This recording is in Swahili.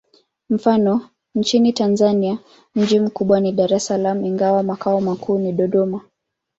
Mfano: nchini Tanzania mji mkubwa ni Dar es Salaam, ingawa makao makuu ni Dodoma.